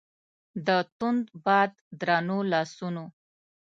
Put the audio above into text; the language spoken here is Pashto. د توند باد درنو لاسونو